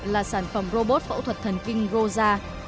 là sản phẩm robot phẫu thuật thần kinh rosa